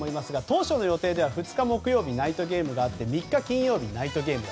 当初の予定、２日木曜日にナイトゲームがあって３日金曜日ナイトゲーム。